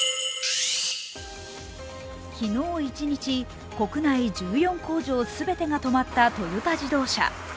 昨日一日、国内１４工場全てが止まったトヨタ自動車。